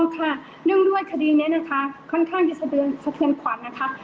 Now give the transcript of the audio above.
ค่ะเนื่องด้วยคดีนี้นะคะค่อนข้างจะสะเทือนขวัญนะคะ